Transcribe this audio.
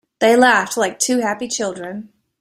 They laughed like two happy children.